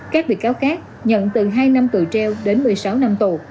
các bị cáo khác nhận từ hai năm tù treo đến một mươi sáu năm tù